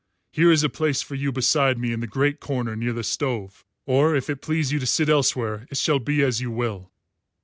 Here is a place for you beside me, in the great corner near the stove. Or if it please you to sit elsewhere it shall be as you will."